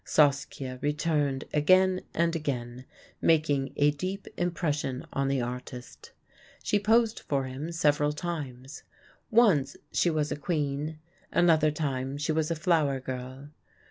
Saskia returned again and again, making a deep impression on the artist. She posed for him several times. Once she was a queen, another time she was a flower girl.